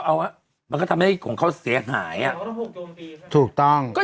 เอาอ่ะมันก็ทำให้ของเขาเสียหายอ่ะถูกต้องก็